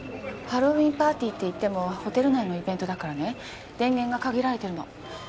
ハロウィーンパーティーっていってもホテル内のイベントだからね電源が限られてるの。